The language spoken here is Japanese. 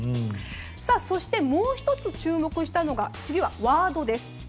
そして、もう１つ注目したのが次はワードです。